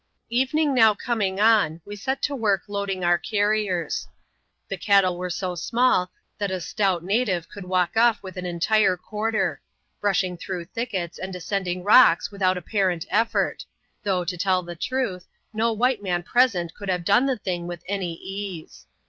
Evening now coming on, we set to work loading our car riers. The cattle were so small, that a stout native could walk off with an entire quarter; brushing through thickets, and descending rocks without an apparent effort : though, to tell the truth, no white man present could have done the thing with any ease.